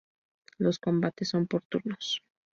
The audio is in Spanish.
Los combates son por turnos.